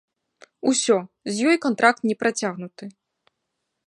Усё, з ёй кантракт не працягнуты.